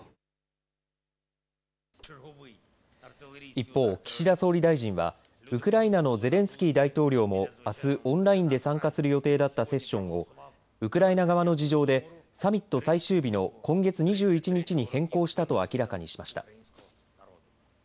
一方、岸田総理大臣はウクライナのゼレンスキー大統領もあすオンラインで参加する予定だったセッションをウクライナ側の事情でサミット最終日の今月２１日に変更したと明らかにしました。